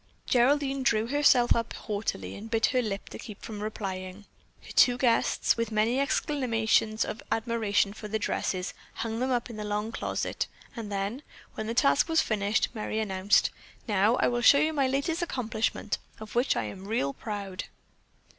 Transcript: Geraldine drew herself up haughtily and bit her lip to keep from replying. Her two guests, with many exclamations of admiration for the dresses, hung them up in the long closet, and then, when that task was finished, Merry announced: "Now I will show you my latest accomplishment, of which I am real proud."